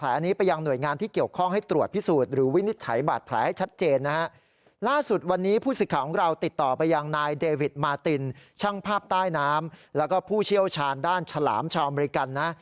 แล้วก็ผู้เชี่ยวชาญด้านฉลามชาวอเมริกันนะ